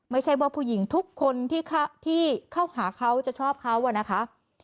ไม่ใช่ว่าผู้หญิงทุกคนที่เข้าหาเขาจะชอบเขาอะนะคะ